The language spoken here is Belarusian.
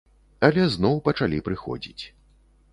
Але зноў пачалі прыходзіць.